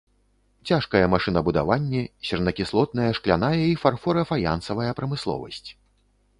Цяжкае машынабудаванне, сернакіслотная, шкляная і фарфора-фаянсавая прамысловасць.